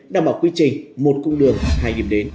đảm bảo quy trình một cung đường hai điểm đến